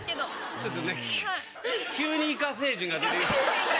ちょっとね急にイカ星人が出てきて。